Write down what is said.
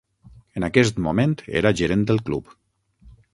En aquest moment, era gerent del club.